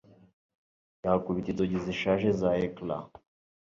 yakubita inzugi zishaje za ecran